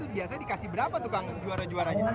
biasanya dikasih berapa tukang juara juaranya